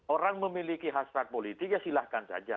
orang memiliki hasrat politik ya silahkan saja